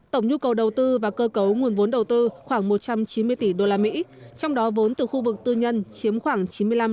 tổng nhu cầu đầu tư và cơ cấu nguồn vốn đầu tư khoảng một trăm chín mươi tỷ usd trong đó vốn từ khu vực tư nhân chiếm khoảng chín mươi năm